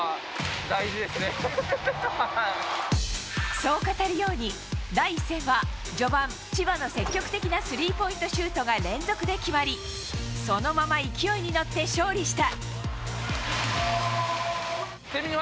そう語るように、第１戦は序盤千葉の積極的なスリーポイントシュートが連続で決まりそのまま勢いに乗って勝利した。